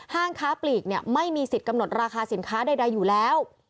ค้าปลีกไม่มีสิทธิ์กำหนดราคาสินค้าใดอยู่แล้ว